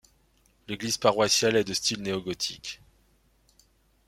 L'église paroissiale est de style néo-gothique.